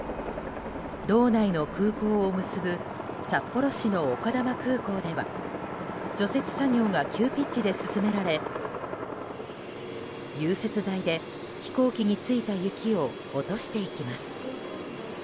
道内の空港を結ぶ札幌市の丘珠空港では除雪作業が急ピッチで進められ融雪剤で飛行機についた雪を落としていきます。